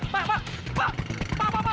pak pak pak mana